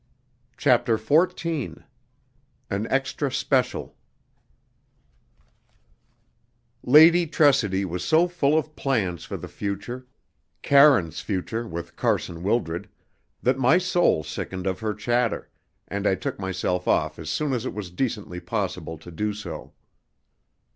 CHAPTER XIV An Extra Special Lady Tressidy was so full of plans for the future Karine's future with Carson Wildred that my soul sickened of her chatter, and I took myself off as soon as it was decently possible to do so.